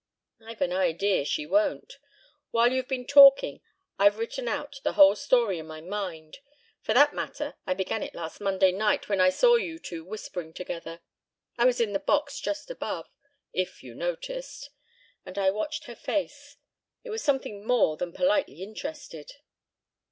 "I've an idea she won't. While you've been talking I've written out the whole story in my mind. For that matter, I began it last Monday night when I saw you two whispering together. I was in the box just above if you noticed! And I watched her face. It was something more than politely interested."